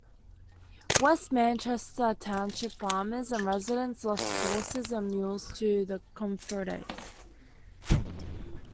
West Manchester Township farmers and residents lost horses and mules to the Confederates.